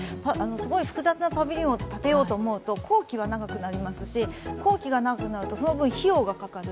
複雑な建物を建てようと思うと工期は長くなりますし、工期が長くなるとその分、費用がかかる。